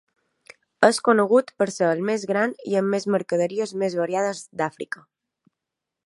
És conegut per ser el més gran i amb mercaderies més variades d'Àfrica.